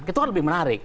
itu kan lebih menarik